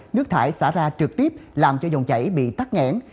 nước thải xả ra trực tiếp làm cho dòng chảy bị tắt nghẽn